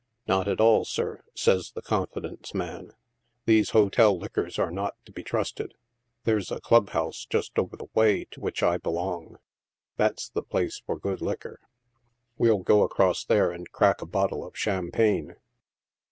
" Not at all, sir," says the confidence man ;" these hotel liquors are not to be trusted ; there's a club house, just over the way, to which I belong ; that's the place for good liquor ! we'll go across there, and crack a bottle of champagne."